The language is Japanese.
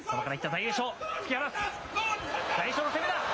大栄翔、攻めだ。